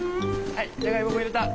はいじゃがいもも入れた。